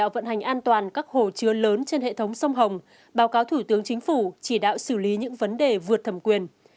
bàn các hồ chứa lớn trên hệ thống sông hồng báo cáo thủ tướng chính phủ chỉ đạo xử lý những vấn đề vượt thẩm quyền